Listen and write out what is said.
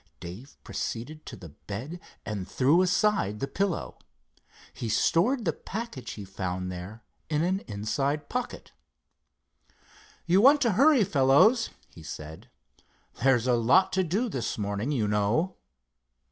Dave proceeded to the bed and threw aside the pillow. He stored the package he found there in an inside pocket. "You want to hurry, fellows," he said. "There's a lot to do this morning, you know."